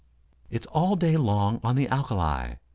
"It's all day long on the alka li.